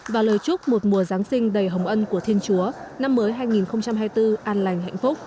và lời chúc một mùa giáng sinh đầy hồng ân của thiên chúa năm mới hai nghìn hai mươi bốn an lành hạnh phúc